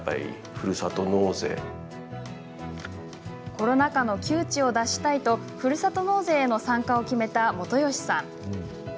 コロナ禍の窮地を脱したいとふるさと納税への参加を決めた本吉さん。